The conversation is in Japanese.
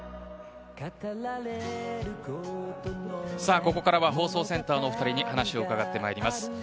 ここからは放送センターのお二人に話をうかがいます。